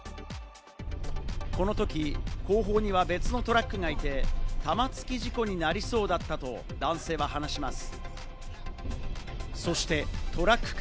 この時、後方には別のトラックがいて、玉突き事故になりそうだったと男性は話します。